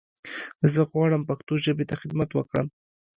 زه غواړم پښتو ژبې ته خدمت وکړم.